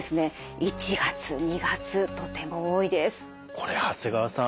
これ長谷川さん